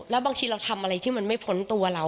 แล้วบางทีเราทำอะไรที่มันไม่พ้นตัวเรา